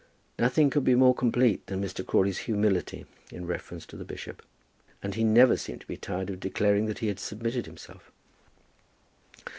Nothing could be more complete than Mr. Crawley's humility in reference to the bishop; and he never seemed to be tired of declaring that he had submitted himself!